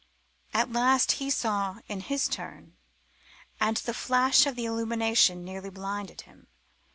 At last he saw, in his turn, and the flash of the illumination nearly blinded him.